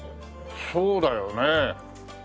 そうだよね。